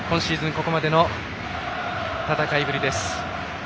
ここまでの戦いぶりです。